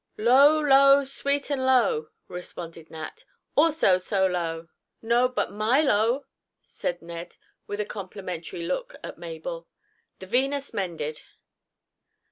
"Low, low! Sweet and Low!" responded Nat. "Also so low!" "No—but Milo!" said Ned, with a complimentary look at Mabel. "The Venus mended."